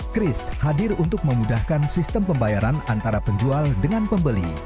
chris hadir untuk memudahkan sistem pembayaran antara penjual dengan pembeli